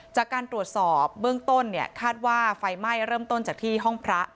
จากการตรวจสอบเบื้องต้นเนี่ยคาดว่าไฟไหม้เริ่มต้นจากที่ห้องพระ